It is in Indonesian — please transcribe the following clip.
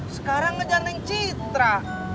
sekarang ngejar neng citra